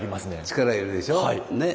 力要るでしょ。ね。